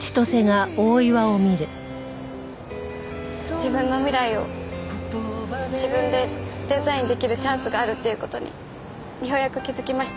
自分の未来を自分でデザインできるチャンスがあるっていう事にようやく気づきました。